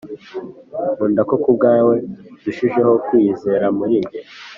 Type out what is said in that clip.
nkunda ko kubwawe ndushijeho kwiyizera muri njye